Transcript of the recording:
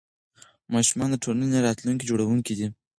ماشومان د ټولنې راتلونکي جوړونکي دي.